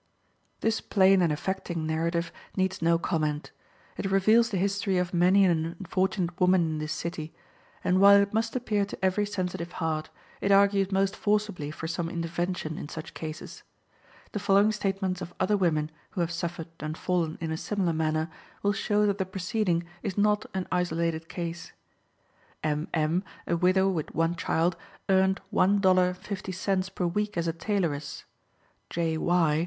This plain and affecting narrative needs no comment. It reveals the history of many an unfortunate woman in this city, and while it must appeal to every sensitive heart, it argues most forcibly for some intervention in such cases. The following statements of other women who have suffered and fallen in a similar manner will show that the preceding is not an isolated case. M. M., a widow with one child, earned $1 50 per week as a tailoress. J. Y.